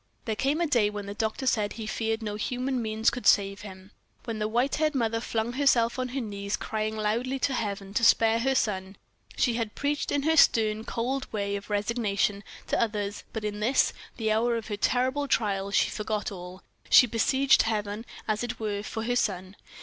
There came a day when the doctor said he feared no human means could save him when the white haired mother flung herself on her knees, crying loudly to Heaven to spare her son. She had preached, in her stern, cold way of resignation, to others, but in this, the hour of her terrible trial, she forgot all; she besieged Heaven, as it were, for her son.